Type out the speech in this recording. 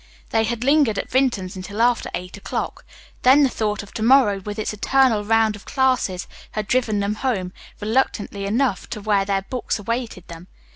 They had lingered at Vinton's until after eight o'clock. Then the thought of to morrow with its eternal round of classes had driven them home, reluctantly enough, to where their books awaited them.